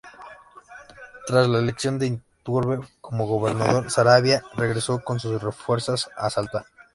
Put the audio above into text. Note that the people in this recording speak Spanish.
Tras la elección de Iturbe como gobernador, Saravia regresó con sus fuerzas a Salta.